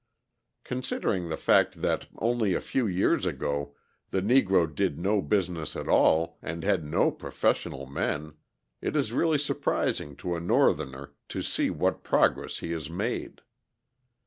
Considering the fact that only a few years ago, the Negro did no business at all, and had no professional men, it is really surprising to a Northerner to see what progress he has made.